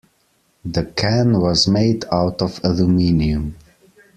The can was made out of aluminium.